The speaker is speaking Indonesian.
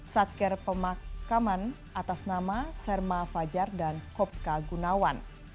satker pemakaman atas nama serma fajar dan kopka gunawan